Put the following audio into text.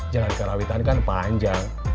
jalan karawitan kan panjang